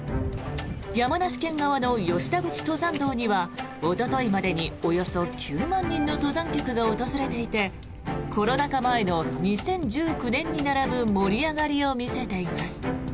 山梨県側の吉田口登山道にはおとといまでにおよそ９万人の登山客が訪れていてコロナ禍前の２０１９年に並ぶ盛り上がりを見せています。